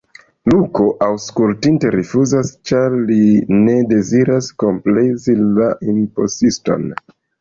Luko, aŭskultinte, rifuzas, ĉar li ne deziras komplezi la impostiston.